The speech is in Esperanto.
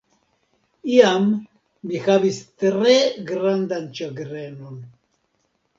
Iam mi havis tre grandan ĉagrenon.